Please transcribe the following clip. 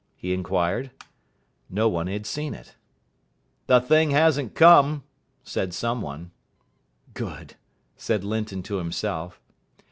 he inquired. No one had seen it. "The thing hasn't come," said some one. "Good!" said Linton to himself.